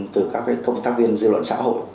từ các công tác viên dư luận xã hội